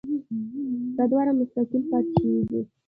دا دواړه مستقل پاتې شوي دي